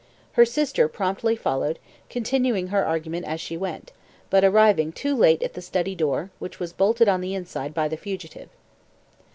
Her sister promptly followed, continuing her argument as she went, but arriving too late at the study door, which was bolted on the inside by the fugitive.